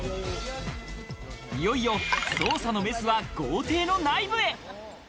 いよいよ捜査のメスは豪邸の内部へ。